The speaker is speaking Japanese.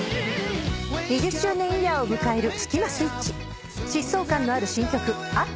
２０周年イヤーを迎えるスキマスイッチ疾走感のある新曲『ｕｐ！！！！！！』